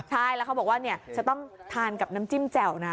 ใช่แล้วเขาบอกว่าจะต้องทานกับน้ำจิ้มแจ่วนะ